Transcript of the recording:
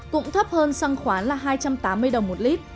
cũng thấp hơn xăng khoán là hai trăm tám mươi đồng một lít